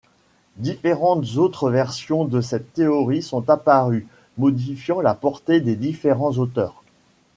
Différentes autres versions de cette théorie sont apparues, modifiant la portée des différents auteurs.